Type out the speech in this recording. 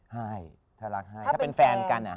ให้ถ้ารักให้ถ้าเป็นแฟนกัน